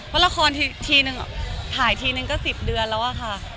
เพราะละครทีนึงถ่ายทีนึงก็๑๐เดือนแล้วอะค่ะ